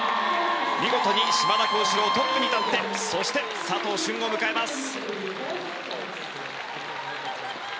見事に島田高志郎トップに立ってそして、佐藤駿を迎えます。